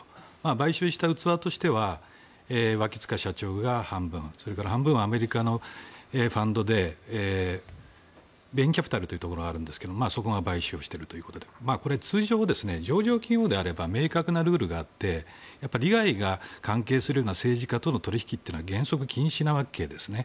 買収した器としては塚脇社長が半分それから半分はアメリカのファンドでベンキャピタルというところがあるんですけどそこが買収しているということでこれは通常、上場企業であれば明確なルールがあって利害が関係するような政治家との取引というのは原則禁止なんですね。